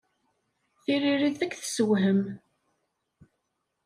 Tiririt ad k-tessewhem.